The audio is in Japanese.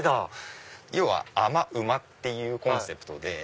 「甘うま」っていうコンセプトで。